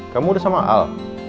kamu udah sama al